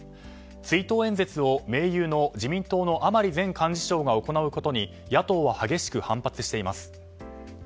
追悼演説を盟友の自民党の甘利前幹事長が行うことに野党は激しく反発しています。